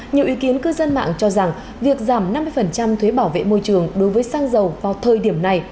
nhiều ý kiến cư dân mạng cho rằng việc giảm năm mươi thuế bảo vệ môi trường đối với xăng dầu vào thời điểm này